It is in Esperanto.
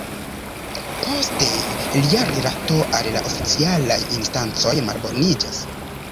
Poste lia rilato al la oficialaj instancoj malboniĝis.